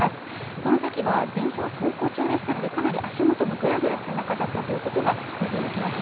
このときは電車は走行中でしたのでかなり足元のぐらぐらした中だったということが想定できます。